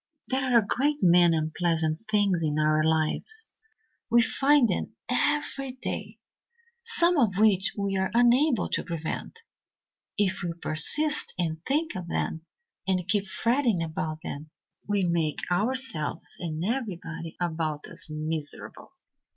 "There are a great many unpleasant things in our lives we find them every day some of which we are unable to prevent. If we persist in thinking of them and keep fretting about them, we make ourselves and everybody about us miserable.